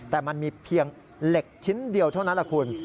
แต่มันมีเพียงเหล็กชิ้นเดียวเท่านั้นแหละคุณ